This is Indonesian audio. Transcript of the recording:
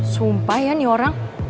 sumpah ya nih orang